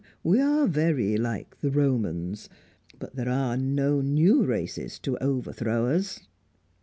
We are very like the Romans. But there are no new races to overthrow us."